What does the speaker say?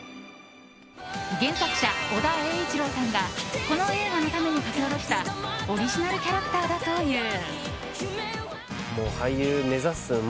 原作者・尾田栄一郎さんがこの映画のために描き下ろしたオリジナルキャラクターだという。